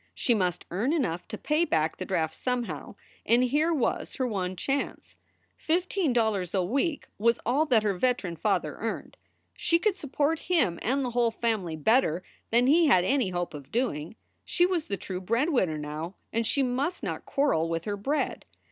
She must earn enough to pay back the draft somehow; and here was her one chance. Fifteen dollars a week was all that her veteran father earned. She could support him and the whole family better than he had any hope of doing. She was the true bread winner now, and she must not quarrel with her bread.